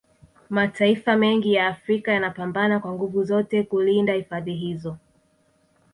Mataifa mengi ya Afrika yanapambana kwa nguvu zote kulinda hifadhi hizo